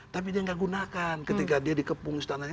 tapi dia nggak gunakan ketika dia dikepung istananya